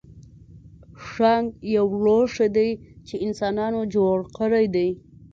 ښانک یو لوښی دی چې انسانانو جوړ کړی دی